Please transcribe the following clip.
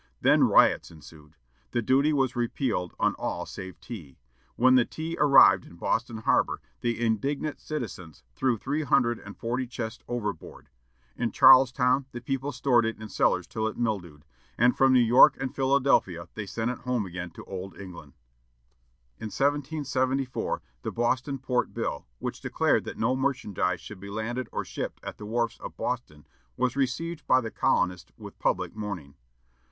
Then riots ensued. The duty was repealed on all save tea. When the tea arrived in Boston Harbor, the indignant citizens threw three hundred and forty chests overboard; in Charlestown, the people stored it in cellars till it mildewed; and from New York and Philadelphia they sent it home again to Old England. In 1774, the Boston Port Bill, which declared that no merchandise should be landed or shipped at the wharves of Boston, was received by the colonists with public mourning.